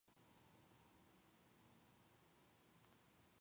Richard is buried in Saint James churchyard, Fulmer, with his wife Hannah.